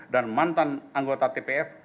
dan mantan anggota tpf